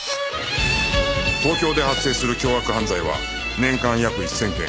東京で発生する凶悪犯罪は年間約１０００件